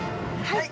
はい！